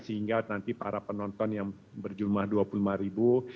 sehingga nanti para penonton yang berjumlah dua puluh lima ribu